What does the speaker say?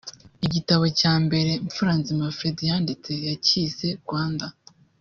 Igitabo cya mbere Mfuranzima Fred yanditse yacyise 'Rwanda